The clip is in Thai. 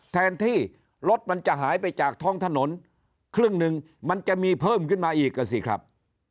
แทนที่รถมันจะหายไปจากท้องถนนครึ่งหนึ่งมันจะมีเพิ่มขึ้นมาอีกอ่ะสิครับ